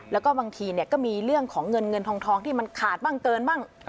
แล้วก็บางทีก็มีเรื่องของเงินเงินทองที่มันขาดบ้างเกินบ้าง